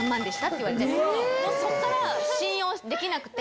もうそこから信用できなくて。